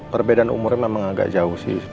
perbedaan umurnya memang agak jauh sih